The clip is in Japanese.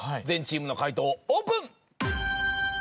全チームの解答オープン。